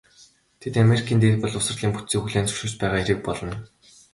Тэд Америкийн дээд боловсролын бүтцийг хүлээн зөвшөөрч байгаа хэрэг болно.